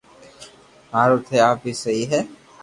ھارو تي آپ ھي سھي ھي